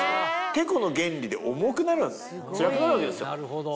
てこの原理で重くなるつらくなるわけですよ。